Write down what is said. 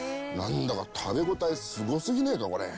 なんだか食べ応えすごすぎねえか？